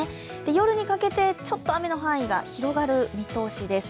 夜にかけてちょっと雨の範囲が広がる見通しです。